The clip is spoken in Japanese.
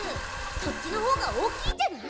そっちのほうが大きいんじゃない？